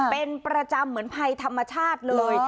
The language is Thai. เป็นประจำเหมือนภัยธรรมชาติเลย